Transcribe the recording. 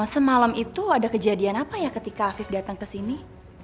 semalam itu ada kejadian apa ya ketika afif datang ke sini